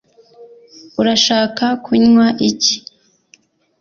urashaka kunywa iki